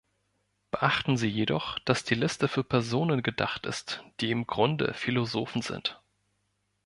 Beachten Sie jedoch, dass die Liste für Personen gedacht ist, die "im Grunde" Philosophen sind.